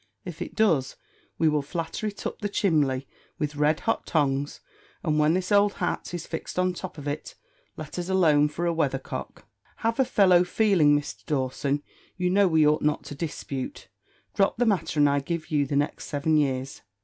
If it does, we will flatter it up the chimly with red hot tongs, and when this old hat is fixed on the top of it, let us alone for a weather cock." "Have a fellow feeling, Mr. Dawson; you know we ought not to dispute. Drop the matter, and I give you the next seven years."